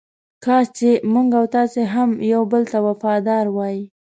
کاش چې موږ او تاسې هم یو بل ته وفاداره وای.